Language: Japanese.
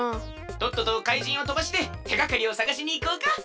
とっととかいじんをとばしててがかりをさがしにいこうか！